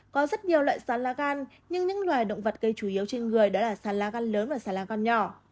có rất nhiều loại sán lá gan nhưng những loài động vật gây chủ yếu trên người đó là sán lá gan lớn và sán lá gan nhỏ